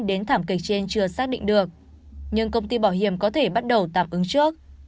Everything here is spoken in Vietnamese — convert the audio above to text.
đến thảm kịch trên chưa xác định được nhưng công ty bảo hiểm có thể bắt đầu tạm ứng trước